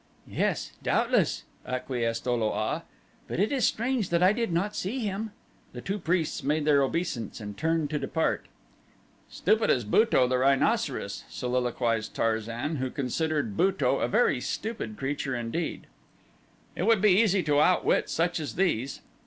"Yes, doubtless," acquiesced O lo a, "but it is strange that I did not see him." The two priests made their obeisance and turned to depart. "Stupid as Buto, the rhinoceros," soliloquized Tarzan, who considered Buto a very stupid creature indeed. "It should be easy to outwit such as these."